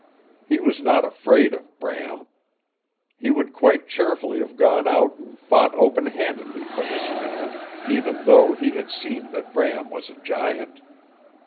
He was not afraid of Bram. He would quite cheerfully have gone out and fought open handedly for his man, even though he had seen that Bram was a giant.